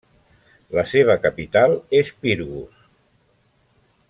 La seva capital és Pirgos.